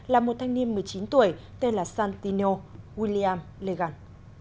là một thanh niên một mươi chín tuổi tên là santino william legan